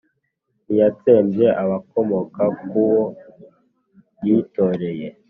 ntiyatsembye abakomoka ku uwo yitoreye,